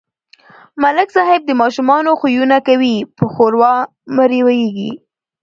ملک صاحب د ماشومانو خویونه کوي په ښوراو مرورېږي.